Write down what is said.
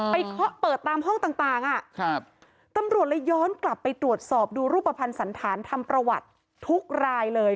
เคาะเปิดตามห้องต่างตำรวจเลยย้อนกลับไปตรวจสอบดูรูปภัณฑ์สันธารทำประวัติทุกรายเลย